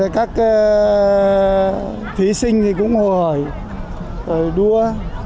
các thí sinh thì cũng hồ hỏi đua